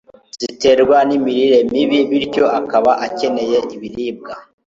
ziterwa n'imirire mibi bityo akaba akeneye ibiribwa